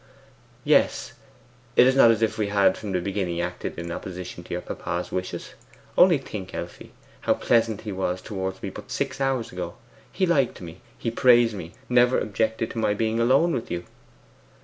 'Yes. It is not as if we had from the beginning acted in opposition to your papa's wishes. Only think, Elfie, how pleasant he was towards me but six hours ago! He liked me, praised me, never objected to my being alone with you.